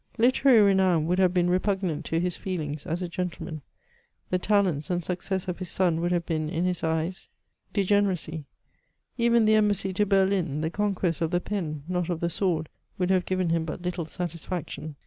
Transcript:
Literary renown would have been repugnant to his feelings as a gentleman ; the talents and success of his son would have been, in his eyes, degeneivcy ; even the embassy to Berlin, the conquests of the pen, not of the i^^ord, would haye given him but little satisfiiction.